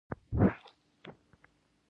چمن احساس کړئ، چمن میین دی